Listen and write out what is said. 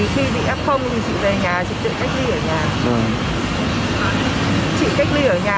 khi bị ép không thì chị về nhà chị tự cách ly ở nhà